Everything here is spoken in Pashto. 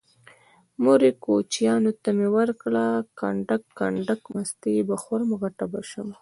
مورې کوچيانو ته مې ورکړه کنډک کنډک مستې به خورم غټه به شمه